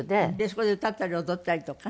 そこで歌ったり踊ったりとか？